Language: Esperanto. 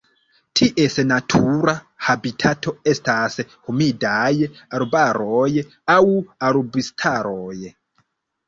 Ties natura habitato estas humidaj arbaroj aŭ arbustaroj.